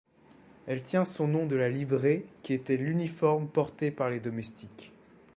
Elle tient son nom de la livrée qui était l'uniforme porté par les domestiques.